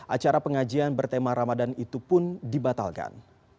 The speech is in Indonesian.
acara pengajian bertema ramadan itu pun dibatalkan